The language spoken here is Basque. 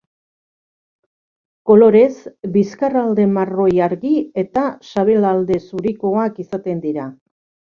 Kolorez, bizkarralde marroi argi eta sabelalde zurikoak izaten dira.